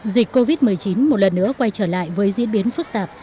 dịch covid một mươi chín một lần nữa quay trở lại với diễn biến phức tạp